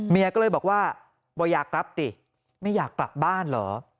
เมียก็เลยบอกว่าบ่อยากกลับสิไม่อยากกลับบ้านเหรอ